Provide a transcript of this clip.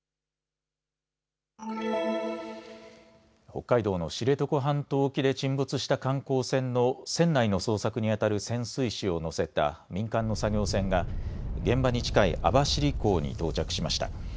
北海道の知床半島沖で沈没した観光船の船内の捜索にあたる潜水士を乗せた民間の作業船が現場に近い網走港に到着しました。